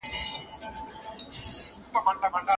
ظلم هيڅکله د عدالت ځای نه سي نيولی.